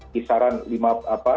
misalkan kisaran lima apa